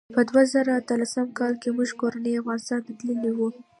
په دوه زره اتلسم کال کې موږ کورنۍ افغانستان ته تللي وو.